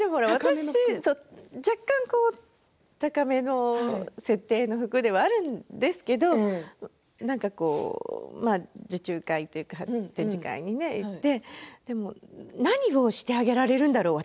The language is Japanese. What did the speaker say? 若干高めの設定の服ではあるんですけれどなんかこう受注会というか展示会に行って何をしてあげられるんだろう